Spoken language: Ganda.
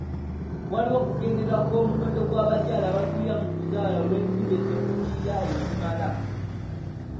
Waliwo okukendeera kw'omuwendo gw'abakyala abafiira mu kuzaala olw'ensimbi ezivujjirirwa ezimala.